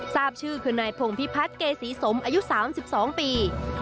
ทราบชื่อคือนายพงพิพัฒน์เกษีสมอายุ๓๒ปี